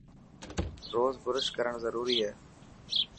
روز برش ڪرن ضروري هي.